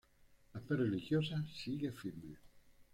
La fe religiosa sigue firme.